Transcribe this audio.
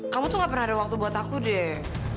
kamu tuh gak pernah ada waktu buat aku deh